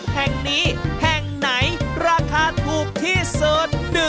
แห่งนี้แห่งไหนราคาถูกที่สุด